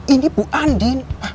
ini bu andin